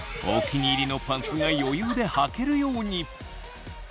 お気に入りのパンツが余裕ではけるように。